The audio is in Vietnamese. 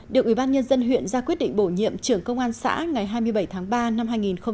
được ủy ban nhân dân huyện ra quyết định bổ nhiệm trưởng công an xã ngày hai mươi bảy tháng ba năm hai nghìn một mươi ba